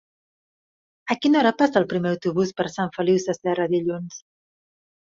A quina hora passa el primer autobús per Sant Feliu Sasserra dilluns?